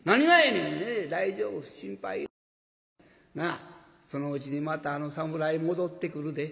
なあそのうちにまたあの侍戻ってくるで。